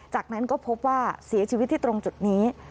จากนั้นก็พบว่าเสียชีวิตที่ตรงจุดนี้